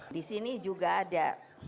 di sini juga ada